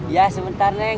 iya sebentar neng